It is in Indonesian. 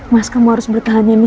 mas kamu harus bertahan ya nis